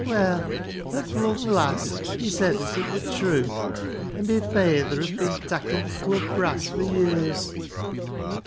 Well, at th' lung last, he said as it were trew, an' mi fayther 'ud bin takkin' th' club brass for ye'rs."